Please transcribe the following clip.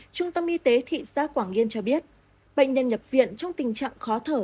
trung tâm y tế thị xã quảng yên cho biết bệnh nhân nhập viện trong tình trạng khó thở